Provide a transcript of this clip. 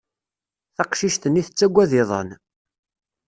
Taqcict-nni tettagad iḍan.